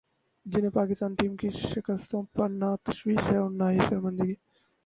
جنہیں پاکستانی ٹیم کی شکستوں پر نہ تشویش ہے اور نہ شرمندگی